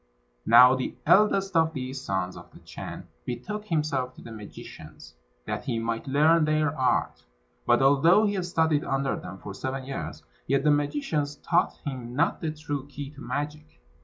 Now the eldest of these sons of the Chan betook himself to the magicians, that he might learn their art; but although he studied under them for seven years, yet the magicians taught him not the true key to magic.